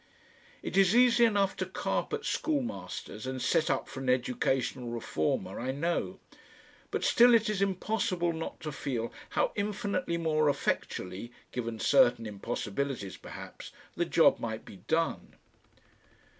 It is easy enough to carp at schoolmasters and set up for an Educational Reformer, I know, but still it is impossible not to feel how infinitely more effectually given certain impossibilities perhaps the job might be done.